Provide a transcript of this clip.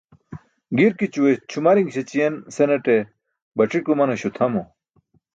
Girkićuwe cʰumariṅ śećiyen senate bac̣ik umanaśo tʰamo.